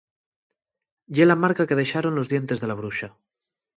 Ye la marca que dexaron los dientes de la bruxa.